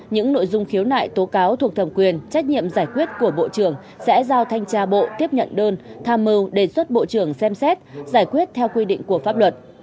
những nội dung khiếu nại tố cáo thuộc thẩm quyền trách nhiệm giải quyết của bộ trưởng sẽ giao thanh tra bộ tiếp nhận đơn tham mưu đề xuất bộ trưởng xem xét giải quyết theo quy định của pháp luật